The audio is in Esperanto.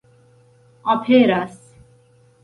aperas